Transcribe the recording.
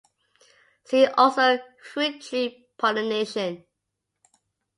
See also Fruit tree pollination.